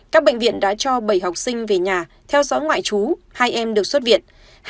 các bệnh viện đã cho bảy học sinh về nhà theo dõi ngoại trú hai em được xuất viện